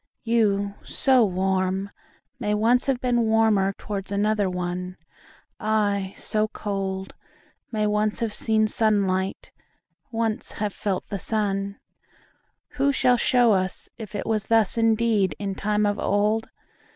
You, so warm, may once have beenWarmer towards another one:I, so cold, may once have seenSunlight, once have felt the sun:Who shall show us if it wasThus indeed in time of old?